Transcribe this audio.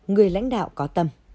người lãnh đạo có tâm